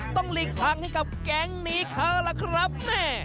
ต้องลีกทางขึ้นกับแก๊งหนีค้าล่ะครับแน่